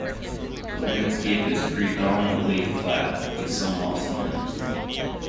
The landscape is predominantly flat, with some mossland.